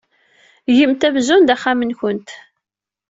Gemt amzun d axxam-nwent.